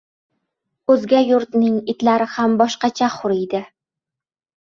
• O‘zga yurtning itlari ham boshqacha huriydi.